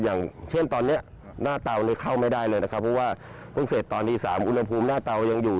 อย่างเช่นตอนนี้หน้าเตานี่เข้าไม่ได้เลยนะครับเพราะว่าเพิ่งเสร็จตอนตี๓อุณหภูมิหน้าเตายังอยู่